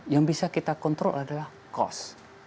yang bisa kita kontrol adalah cost